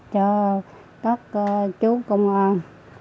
cho các chú công an